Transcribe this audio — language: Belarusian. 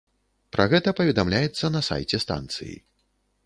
Пра гэта паведамляецца на сайце станцыі.